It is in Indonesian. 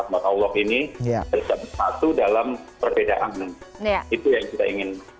berrahmat allah ini